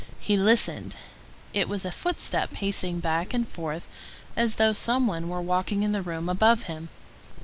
He listened; it was a footstep pacing back and forth, as though some one were walking in the room above him.